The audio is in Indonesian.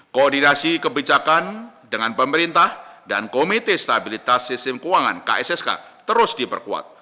koordinasi kebijakan dengan pemerintah dan komite stabilitas sistem keuangan kssk terus diperkuat